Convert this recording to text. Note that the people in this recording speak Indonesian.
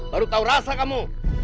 baru tahu rasa kamu